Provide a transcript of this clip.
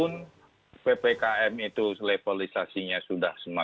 dari petits sundaycu